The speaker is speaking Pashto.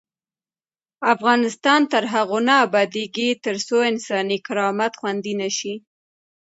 افغانستان تر هغو نه ابادیږي، ترڅو انساني کرامت خوندي نشي.